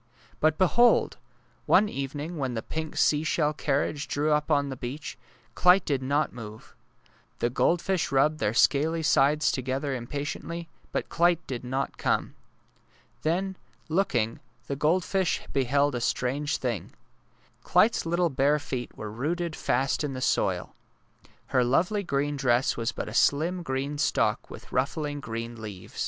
But behold ! one evening when the pink sea shell carriage drew up on the beach, Clyte did not move. The goldfish rubbed their scaly sides together impatiently, but Clyte did not come. Then, looking, the goldfish beheld a strange thing. Clyte 's little bare feet were rooted fast in the soil. Her lovely green dress was but a slim green stalk with ruffling green leaves.